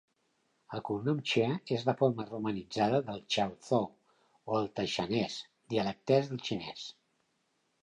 El cognom "Chea" és la forma romanitzada del chaozhou o el taixanès, dialectes del xinès.